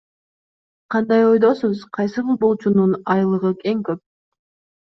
Кандай ойдосуз, кайсы футболчунун айлыгы эң көп?